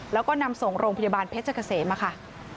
แล้วก็นำส่งโรงพยาบาลเพชรเกษมค่ะ